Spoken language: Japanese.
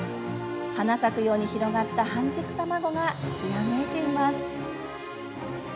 花咲くように広がった半熟卵がつやめいています。